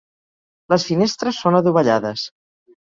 Les finestres són adovellades.